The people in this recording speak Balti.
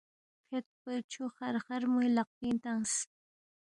فید پو چھُو خرخرموے لقپِنگ تنگس